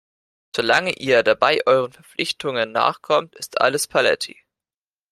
Solange ihr dabei euren Verpflichtungen nachkommt, ist alles paletti.